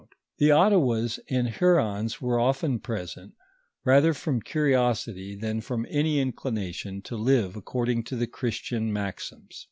* The Ottawas and Ilurons were often present, rather from curiosity than from any in clination to live according to the Christian maxims.